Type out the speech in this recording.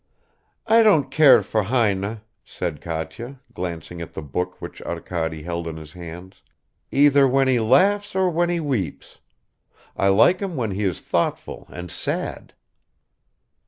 "I don't care for Heine," said Katya, glancing at the book which Arkady held in his hands, "either when he laughs or when he weeps. I like him when he is thoughtful and sad."